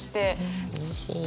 んうれしい。